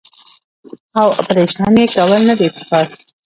او اپرېشن ئې کول نۀ دي پکار -